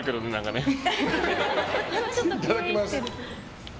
いただきます。